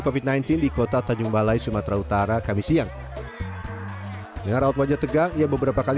covid sembilan belas di kota tanjung balai sumatera utara kami siang dengar outwarnya tegang yang beberapa kali